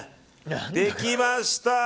できました！